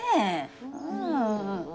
うん。